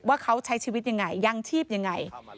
ว่าเขาใช้ชีวิตอย่างไรยั่งชีพอย่างไร